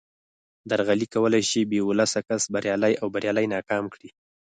درغلي کولای شي بې ولسه کس بریالی او بریالی ناکام کړي